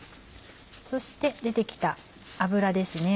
そして出て来た脂ですね